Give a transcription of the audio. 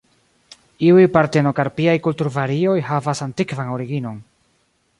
Iuj partenokarpiaj kulturvarioj havas antikvan originon.